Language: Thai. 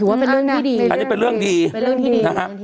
อันนี้เป็นเรื่องที่ดี